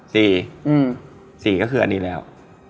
สี่ก็คืออันนี้แล้ว